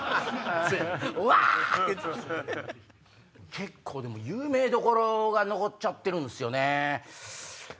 結構有名どころが残っちゃってるんすよね。